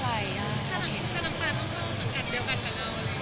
ถ้าน้องตาต้องเข้าสังกัดเดียวกันกับเรา